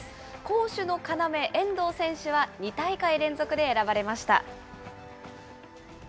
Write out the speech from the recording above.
攻守の要、遠藤選手は２大会連続で選ばれました。